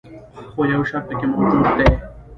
خو یو شرط پکې موجود دی.